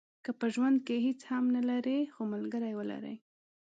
که په ژوند کې هیڅ هم نه لرئ خو ملګری ولرئ.